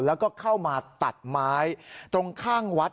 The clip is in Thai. แล้วก็เข้ามาตัดไม้ตรงข้างวัด